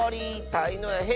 たいのやへ